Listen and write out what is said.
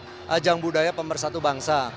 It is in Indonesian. adalah ajang budaya pembersatu bangsa